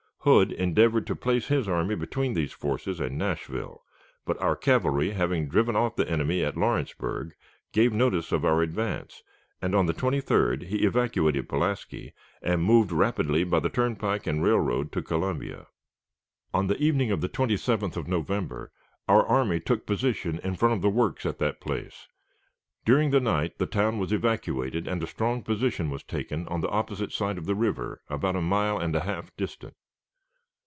Hood endeavored to place his army between these forces and Nashville, but our cavalry, having driven off the enemy at Lawrenceburg, gave notice of our advance, and on the 23d he evacuated Pulaski and moved rapidly by the turnpike and railroad to Columbia. On the evening of the 27th of November our army took position in front of the works at that place. During the night the town was evacuated, and a strong position was taken on the opposite side of the river, about a mile and a half distant.